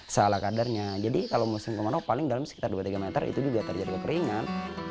salah kadarnya jadi kalau musim kemarau paling dalam sekitar dua tiga meter itu juga terjadi kekeringan